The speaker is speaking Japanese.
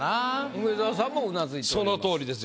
梅沢さんもうなずいております。